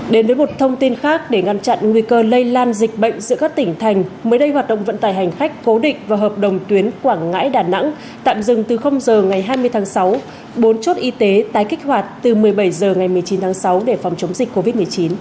đến với một thông tin khác để ngăn chặn nguy cơ lây lan dịch bệnh giữa các tỉnh thành mới đây hoạt động vận tải hành khách cố định và hợp đồng tuyến quảng ngãi đà nẵng tạm dừng từ giờ ngày hai mươi tháng sáu bốn chốt y tế tái kích hoạt từ một mươi bảy h ngày một mươi chín tháng sáu để phòng chống dịch covid một mươi chín